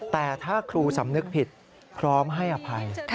แต่ถ้าครูสำนึกผิดพร้อมให้อภัย